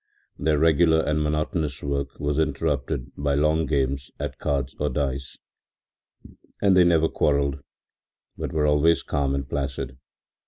Their regular and monotonous work was interrupted by long games at cards or dice, and they never quarrelled, but were always calm and placid.